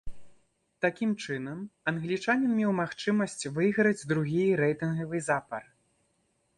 Такім чынам, англічанін меў магчымасць выйграць другі рэйтынгавы запар.